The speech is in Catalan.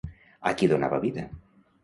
A qui donava vida?